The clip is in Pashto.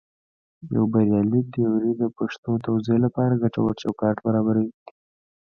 یوه بریالۍ تیوري د پېښو توضیح لپاره ګټور چوکاټ برابروي.